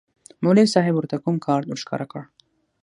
مولوي صاحب ورته کوم کارت ورښکاره کړ.